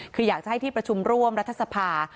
คืออยากจะให้ที่ประชุมร่วมรัฐสภา